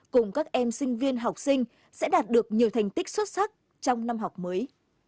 cùng các em sinh viên học sinh sẽ đạt được nhiều thành tích xuất sắc trong năm học mới